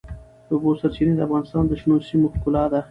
د اوبو سرچینې د افغانستان د شنو سیمو ښکلا ده.